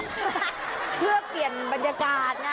เพื่อเปลี่ยนบรรยากาศไง